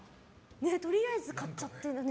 とりあえず買っちゃってとか。